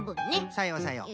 さようさよう。